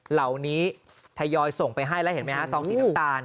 เหล่านี้ไทยอยส่งไปให้แล้วเห็นไหมฮะสส